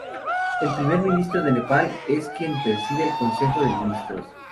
El Primer Ministro de Nepal es quien preside el Consejo de Ministros.